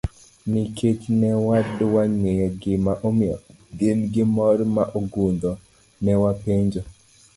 Nikech ne wadwa ng'eyo gima omiyo gin gi mor ma ogundho, ne wapenjo.